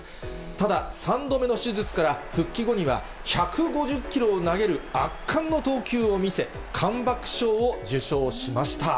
ただ、３度目の手術から復帰後には、１５０キロを投げる圧巻の投球を見せ、カムバック賞を受賞しました。